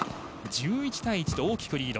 １１対１と大きくリード。